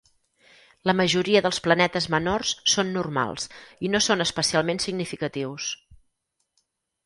La majoria dels planetes menors són normals i no són especialment significatius.